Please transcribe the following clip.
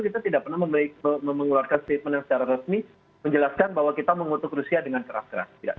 kita tidak pernah mengeluarkan statement yang secara resmi menjelaskan bahwa kita mengutuk rusia dengan keras keras